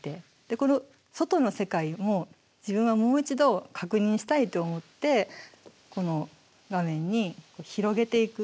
この外の世界も自分はもう一度確認したいと思ってこの画面に広げていく。